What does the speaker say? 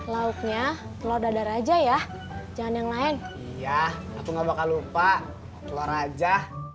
lauknya telur dadar aja ya jangan yang lain iya aku nggak bakal lupa telur aja